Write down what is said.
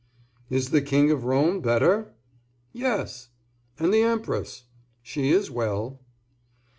"Is the King of Rome better?" "Yes." "And the Empress?" "She is well."